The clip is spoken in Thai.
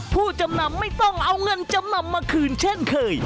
ผู้จำนำไม่ต้องเอาเงินจำนำมาคืนเช่นเคย